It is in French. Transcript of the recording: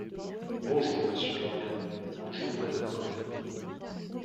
Bonjour, monsieur Lauriane ; bonjour, madame Lauriane.